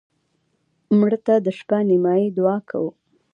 مړه ته د شپه نیمایي دعا کوو